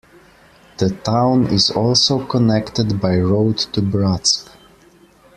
The town is also connected by road to Bratsk.